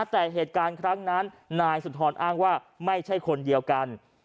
แต่เหตุการณ์ครั้งนั้นนายสุนทรอ้างว่าไม่ใช่คนเดียวกัน